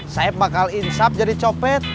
saya bakal insap jadi copet